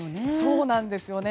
そうなんですよね。